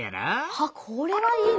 あっこれはいいな。